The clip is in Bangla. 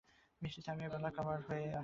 বৃষ্টি থামিতে বেলা কাবার হইয়া আসিল।